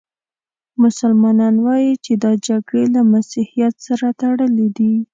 مسلمانان وايي چې دا جګړې له مسیحیت سره تړلې دي.